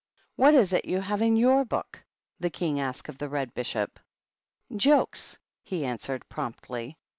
" What is it you have in your book ?" the King asked of the Red Bishop. " Jokes," he answered, promptly.